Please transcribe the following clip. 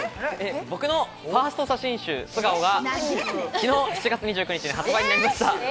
僕のファースト写真集『すがお』が昨日７月２９日に発売になりました。